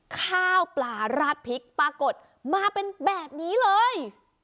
ข้าวปลาราดพริกปรากฏมาเป็นแบบนี้เลย